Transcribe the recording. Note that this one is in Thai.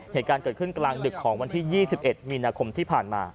เหตุการณ์เกิดขึ้นกลางดึกของวันที่๒๑มีนาคมที่ผ่านมา